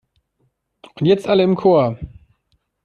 Und jetzt alle im Chor!